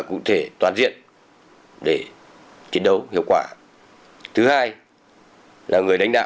cụ thể toàn diện để chiến đấu hiệu quả thứ hai là người đánh đạo